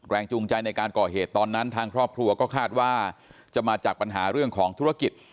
จูงใจในการก่อเหตุตอนนั้นทางครอบครัวก็คาดว่าจะมาจากปัญหาเรื่องของธุรกิจ